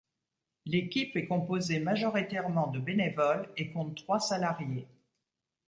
L'équipe est composée majoritairement de bénévoles, et compte trois salariés.